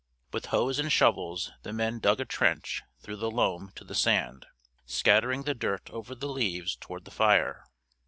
With hoes and shovels the men dug a trench through the loam to the sand, scattering the dirt over the leaves toward the fire.